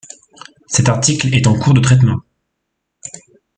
Cette article est en cours de traitement.